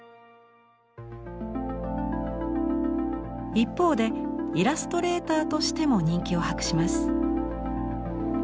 一方でイラストレーターとしても人気を博します。